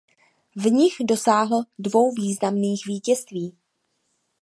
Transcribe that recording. V nich dosáhl dvou významných vítězství.